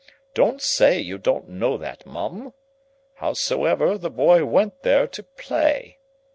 Don't say you don't know that, Mum. Howsever, the boy went there to play.